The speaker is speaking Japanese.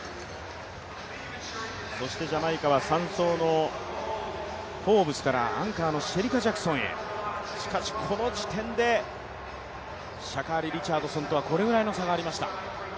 そしてジャマイカは３走のフォーブスからアンカーのシェリカ・ジャクソンへしかしこの時点でシャカーリ・リチャードソンとはこれぐらいの差がありました。